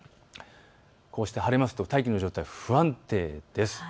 こうして晴れますと大気の状態、不安定です。